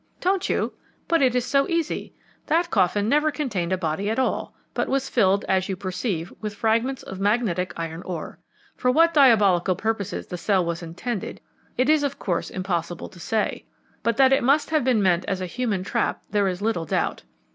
"Don't you? but it is so easy. That coffin never contained a body at all, but was filled, as you perceive, with fragments of magnetic iron ore. For what diabolical purposes the cell was intended, it is, of course, impossible to say; but that it must have been meant as a human trap there is little doubt.